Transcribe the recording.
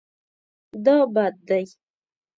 دا بد دی